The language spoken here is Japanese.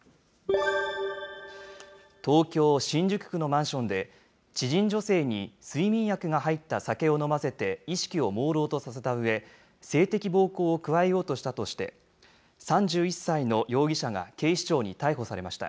東京・新宿区のマンションで、知人女性に睡眠薬が入った酒を飲ませて意識をもうろうとさせたうえ、性的暴行を加えようとしたとして、３１歳の容疑者が警視庁に逮捕されました。